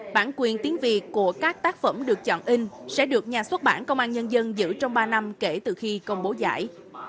bản quyền tiếng việt của các tác phẩm được chọn in sẽ được nhà xuất bản công an nhân dân giữ trong ba năm kể từ khi công bố giải